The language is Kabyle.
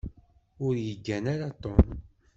Ur yeggan ara Tom.